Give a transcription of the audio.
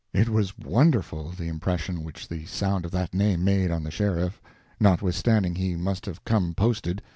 It was wonderful, the impression which the sound of that name made on the sheriff, notwithstanding he must have come posted.